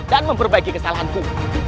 dan memperbaiki kesalahanku